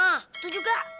ah itu juga